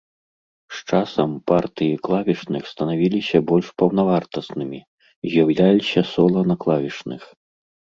З часам партыі клавішных станавіліся больш паўнавартаснымі, з'яўляліся сола на клавішных.